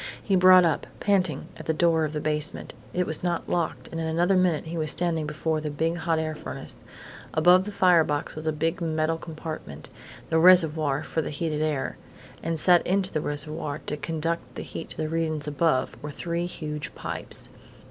He brought up, panting, at the door of the basement. It was not locked and in another minute he was standing before the big hot air furnace. Above the fire box was a big metal compartment the reservoir for the heated air. And set into the reservoir, to conduct the heat to the regions above, were three huge pipes.